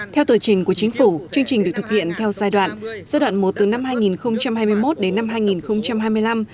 theo tờ trình của chính phủ chương trình được thực hiện theo giai đoạn giai đoạn một từ năm hai nghìn hai mươi một đến năm hai nghìn hai mươi năm